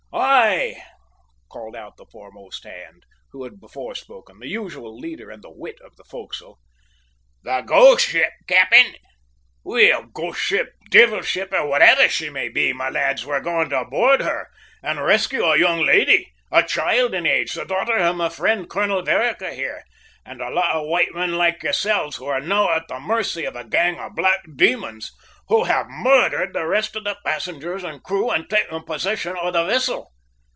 "Aye," called out the foremost hand, who had before spoken the usual leader, and the wit of the fo'c's'le "the ghost ship, cap'en." "Well, ghost ship, devil ship, or whatever she may be, my lads, we're going to board her and rescue a young lady, a child in age, the daughter of my friend, Colonel Vereker here, and a lot of white men like yourselves, who are now at the mercy of a gang of black demons who have murdered the rest of the passengers and crew and taken possession of the vessel.